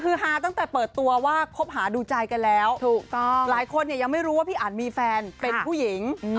คือฮาตั้งแต่เปิดตัวว่าคบหาดูใจกันแล้วถูกต้องหลายคนเนี่ยยังไม่รู้ว่าพี่อันมีแฟนเป็นผู้หญิง